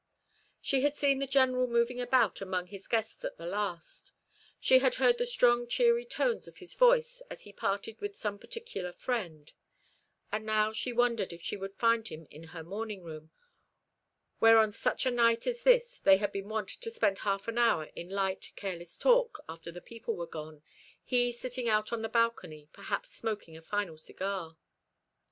She had seen the General moving about among his guests at the last. She had heard the strong cheery tones of his voice as he parted with some particular friend; and now she wondered if she would find him in her morning room, where on such a night as this they had been wont to spend half an hour in light, careless talk, after the people were gone, he sitting out on the balcony, perhaps, smoking a final cigar.